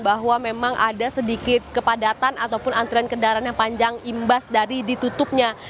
bahwa memang ada sedikit kepadatan ataupun antrian kendaraan yang panjang imbas dari ditutupnya